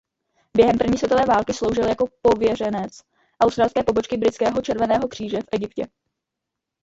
Během první světové války sloužil jako pověřenec australské pobočky Britského červeného kříže v Egyptě.